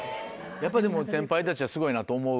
やっぱでも先輩たちはすごいなと思う？